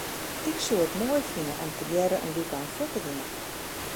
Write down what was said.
Ik soe it moai fine om tegearre in wykein fuort te gean.